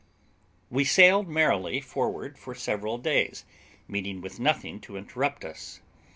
We sailed merrily forward for several days, meeting with nothing to interrupt us.